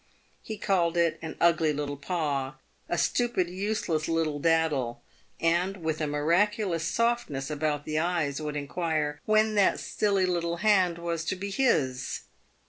He called it " an ugly little paw," "a stupid, useless little daddle," and, with a miraculous softness about the eyes, would inquire " when that silly little hand was to be his